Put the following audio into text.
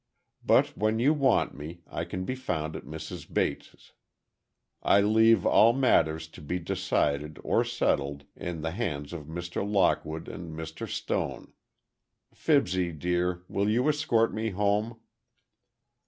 But when you want me, I can be found at Mrs. Bates'. I leave all matters to be decided or settled, in the hands of Mr. Lockwood and Mr. Stone. Fibsy, dear, will you escort me home?"